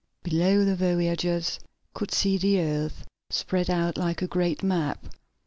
Below, the voyagers could see the earth spread out like a great map.